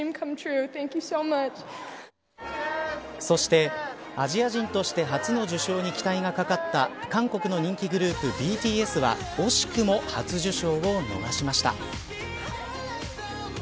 そして、アジア人として初の受賞に期待がかかった韓国の人気グループＢＴＳは惜しくも初受賞を逃しました。